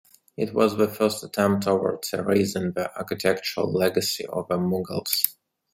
It was the first attempt towards erasing the architectural legacy of the Mughals.